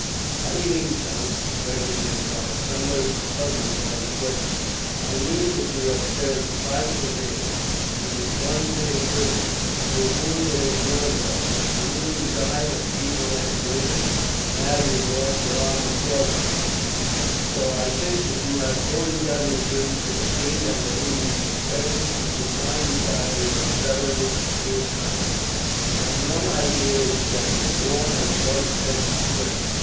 "How do you mean, count?" Fergus replied, somewhat puzzled by the question. "I mean that you have served five campaigns, you have been twice made a prisoner, you were wounded at Zorndorf, you nearly died of fever last winter, now you have lost your arm at Torgau; so I think that you have fully done your duty to the king under whom you took service, and could now retire with a thoroughly clear conscience. "My own idea is that the war has quite spent its strength.